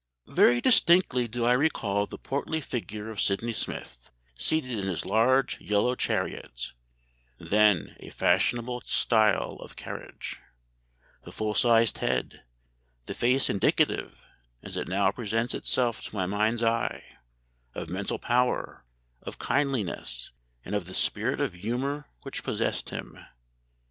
] "Very distinctly do I recall the portly figure of Sydney Smith seated in his large yellow chariot then a fashionable style of carriage the full sized head, the face indicative, as it now presents itself to my mind's eye, of mental power, of kindliness, and of the spirit of humour which possessed him....